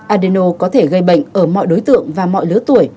adeno có thể gây bệnh ở mọi đối tượng và mọi lứa tuổi